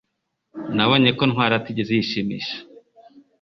Nabonye ko Ntwali atigeze yishimisha